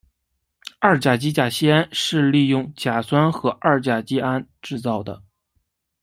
二甲基甲醯胺是利用甲酸和二甲基胺制造的。